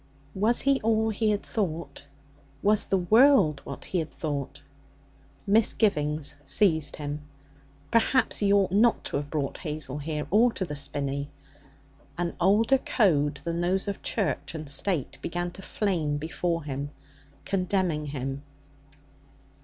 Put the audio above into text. Was he all he had thought? Was the world what he had thought? Misgivings seized him. Perhaps he ought not to have brought Hazel here or to the Spinney. An older code than those of Church and State began to flame before him, condemning him.